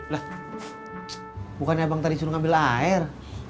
lah bukannya bang tadi suruh ngambil air